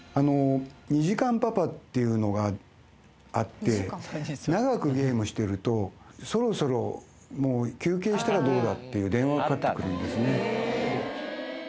２時間パパっていうのがあって長くゲームしてると、そろそろもう休憩したらどうだ？っていう電話がかかってくるんですね。